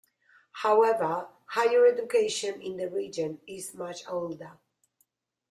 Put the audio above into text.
However, higher education in the region is much older.